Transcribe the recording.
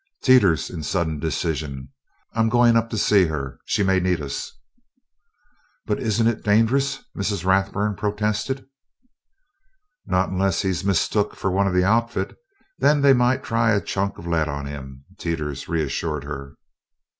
"Teeters," in sudden decision, "I'm going up to see her. She may need us." "But isn't it dangerous?" Mrs. Rathburn protested. "Not unless he's mistook for one of the Outfit, then they might try a chunk of lead on him," Teeters reassured her.